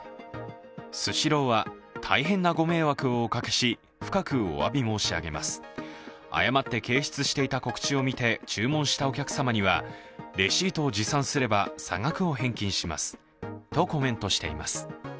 スシローは、大変なご迷惑をおかけし、深くおわび申し上げます、誤って掲出していた告知を見て注文したお客様にはレシートを持参すれば差額を返金しますとコメントしています。